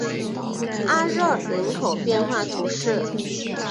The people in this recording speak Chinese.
阿热人口变化图示